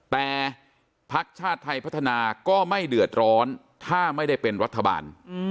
แต่พักชาติไทยพัฒนาก็ไม่เดือดร้อนถ้าไม่ได้เป็นรัฐบาล